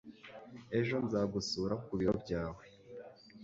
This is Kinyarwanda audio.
Ejo nzagusura ku biro byawe.